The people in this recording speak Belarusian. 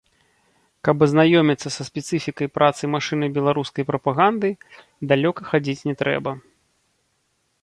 Каб азнаёміцца са спецыфікай працы машыны беларускай прапаганды, далёка хадзіць не трэба.